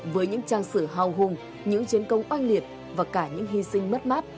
với những trang sử hào hùng những chiến công oanh liệt và cả những hy sinh mất mát